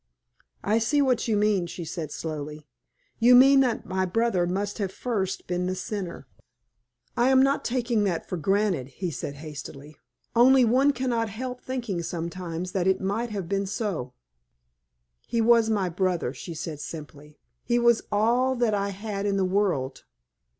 "I see what you mean," she said, slowly. "You mean that my brother must first have been the sinner." "I am not taking that for granted," he said, hastily; "only one cannot help thinking sometimes that it might have been so." "He was my brother," she said, simply. "He was all that I had in the world.